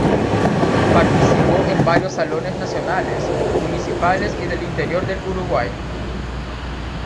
Participó en varios Salones Nacionales, Municipales y del Interior del Uruguay.